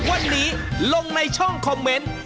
วันนี้ลงในช่องคอมเมนต์